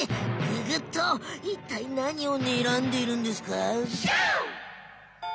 ググッといったいなにをにらんでるんですか？